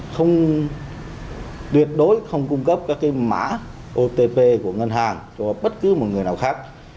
không tuyệt đối không cung cấp các mã otp của ngân hàng cho bất cứ một người nào khác